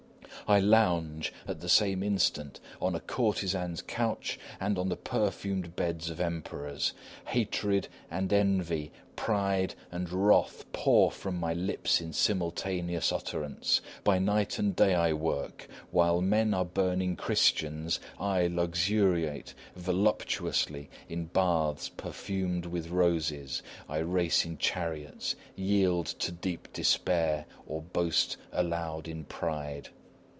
I lounge, at the same instant, on a courtesan's couch and on the perfumed beds of emperors. Hatred and envy, pride and wrath, pour from my lips in simultaneous utterance. By night and day I work. While men are burning Christians, I luxuriate voluptuously in baths perfumed with roses; I race in chariots; yield to deep despair; or boast aloud in pride.